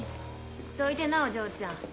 どいてなお嬢ちゃん。